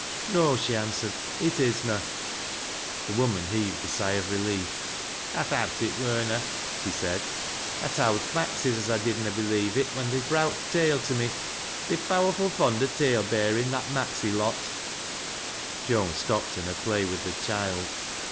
" No," she answered, " it is na." The woman heaved a sigh of relief. "[ thowt it wur na," she said. " I towd th' Maxeyj .iS I did na believe it when they browt th' tale to me. They re powerful fond o' tale bearing', that Maxey lot ' Joan stopped in her play with the child.